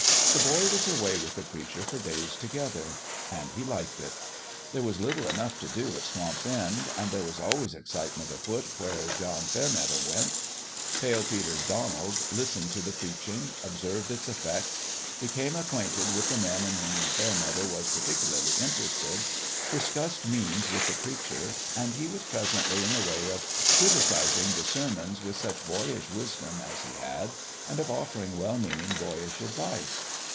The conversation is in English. The boy was away with the preacher for days together. And he liked it. There was little enough to do at Swamp's End ; and there was always excitement afoot where John Fairmeadow went. Pale Peter's Donald listened to the preaching, ob served its effect, became acquainted with the men in whom Fairmeadow was particularly in terested, discussed means with the preacher; and he was presently in the way of criticizing the sermons with such boyish wisdom as he had, and of offering well meaning boyish advice.